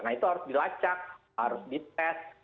nah itu harus dilacak harus dites